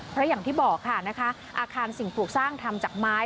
เพราะอย่างที่บอกค่ะนะคะอาคารสิ่งปลูกสร้างทำจากไม้